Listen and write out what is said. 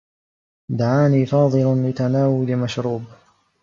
دعاني فاضل لتناول مشروب.